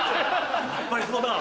やっぱりそうだ！